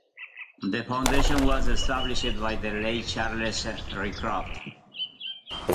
The Foundation was established by the late Charles Rycroft.